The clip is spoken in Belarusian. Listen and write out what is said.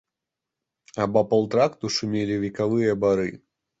Абапал тракту шумелі векавыя бары.